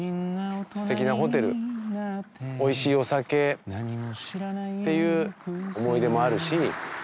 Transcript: すてきなホテルおいしいお酒っていう思い出もあるし。